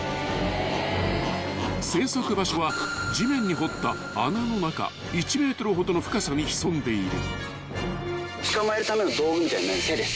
［生息場所は地面に掘った穴の中１ｍほどの深さに潜んでいる］